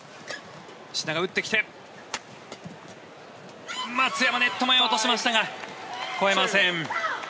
志田が打ってきて松山、ネット前に落としましたが越えません。